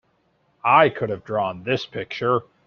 I could have drawn this picture!